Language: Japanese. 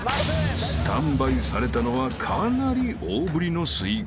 ［スタンバイされたのはかなり大ぶりのスイカ］